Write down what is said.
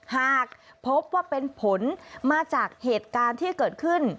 หากพบว่าเป็นผลมาจากเหตุการณ์ที่เกิดขึ้น